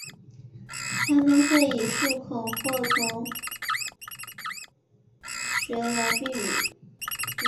它们会以树孔或洞穴来避雨。